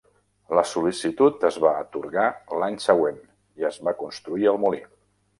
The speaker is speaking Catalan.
La sol·licitud es va atorgar l'any següent i es va construir el molí.